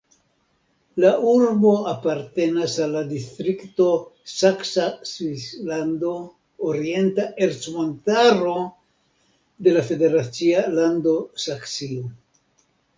La urbo apartenas al la distrikto Saksa Svislando-Orienta Ercmontaro de la federacia lando Saksio.